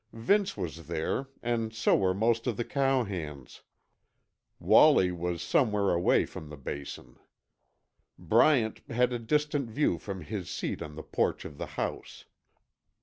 Vince was there, and so were most of the cowhands. Wallie was somewhere away from the Basin. Bryant had a distant view from his seat on the porch of the house.